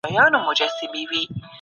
ایا مطالعه پر ټولنیزو اړیکو اغېز کوي؟